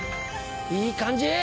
いい感じ！